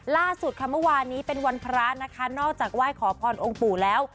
ล่าสุดค่ะเมื่อวานนี้เป็นวันพระนะคะนอกจากไหว้ขอพรองค์ปู่แล้ว